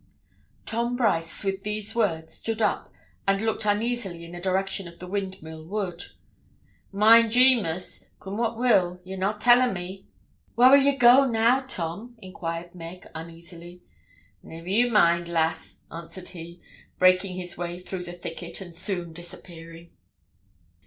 Tom Brice, with these words, stood up, and looked uneasily in the direction of the Windmill Wood. 'Mind ye, Miss, coom what will, ye'll not tell o' me?' 'Whar 'ill ye go now, Tom?' inquired Meg, uneasily. 'Never ye mind, lass,' answered he, breaking his way through the thicket, and soon disappearing.